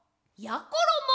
やころも。